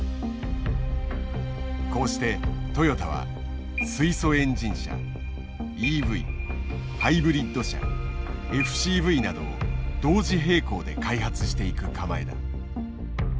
こうしてトヨタは水素エンジン車ＥＶハイブリッド車ＦＣＶなどを同時並行で開発していく構えだ。